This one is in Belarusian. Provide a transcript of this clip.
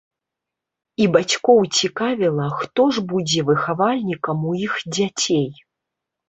І бацькоў цікавіла, хто ж будзе выхавальнікам у іх дзяцей.